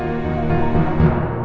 aku juga bener